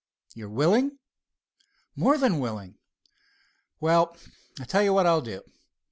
"You're willing?" "More than willing." "Well, I'll tell you what I'll do.